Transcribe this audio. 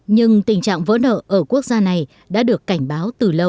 nhưng tình trạng vỡ nợ ở quốc gia này đã được cảnh báo từ lâu